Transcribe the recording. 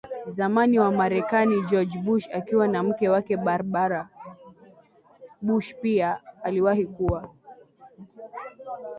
zamani wa Marekani George Bush akiwa na mke wake Barbara BushPia aliwahi kuwa